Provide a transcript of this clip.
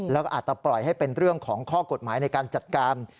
แล้วก็อาจจะปล่อยให้เป็นเรื่องของข้อกฎหมายในการจัดการ